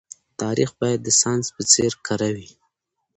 تاريخ بايد د ساينس په څېر کره وي.